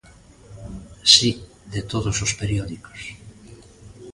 Si, de todos os periódicos.